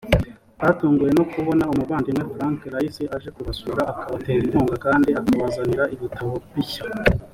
batunguwe no kubona umuvandimwe frank rice aje kubasura akabatera inkunga kandi akabazanira ibitabo bishya